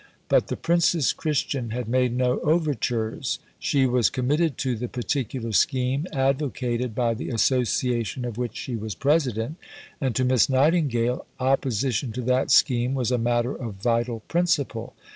But the Princess Christian had made no overtures; she was committed to the particular scheme advocated by the Association of which she was President; and, to Miss Nightingale, opposition to that scheme was a matter of vital principle.